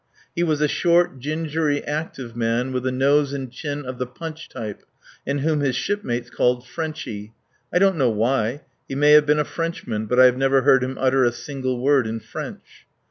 He was a short, gingery, active man with a nose and chin of the Punch type, and whom his shipmates called "Frenchy." I don't know why. He may have been a Frenchman, but I have never heard him utter a single word in French.